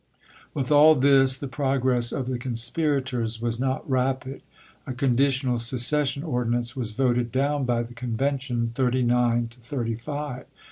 With all this the progress of the con spirators was not rapid. A conditional secession ordinance was voted down by the convention, thirty nine to thirty five.